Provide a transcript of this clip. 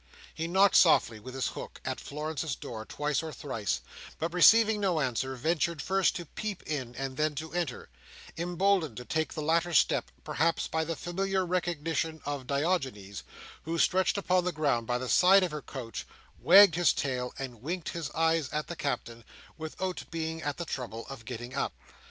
He knocked softly, with his hook, at Florence's door, twice or thrice; but, receiving no answer, ventured first to peep in, and then to enter: emboldened to take the latter step, perhaps, by the familiar recognition of Diogenes, who, stretched upon the ground by the side of her couch, wagged his tail, and winked his eyes at the Captain, without being at the trouble of getting up.